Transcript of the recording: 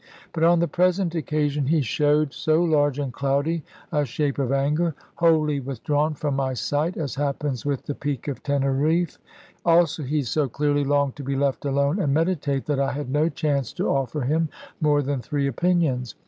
But on the present occasion he showed so large and cloudy a shape of anger, wholly withdrawn from my sight (as happens with the Peak of Teneriffe) also he so clearly longed to be left alone and meditate, that I had no chance to offer him more than three opinions.